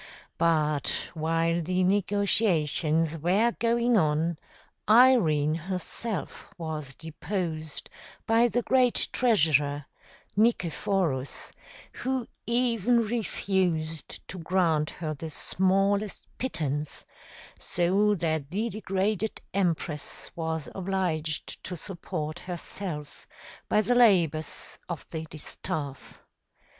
But while the negotiations were going on, Irene herself was deposed by the great treasurer, Nicephorus, who even refused to grant her the smallest pittance, so that the degraded empress was obliged to support herself by the labors of the distaff.